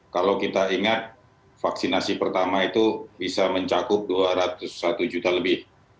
kalau kita ingat vaksinasi pertama itu bisa mencakup dua ratus satu juta lebih